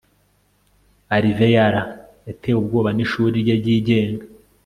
Alvear yatewe ubwoba nishuri rye ryigenga